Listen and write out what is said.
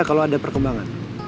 kalau ada perkembangan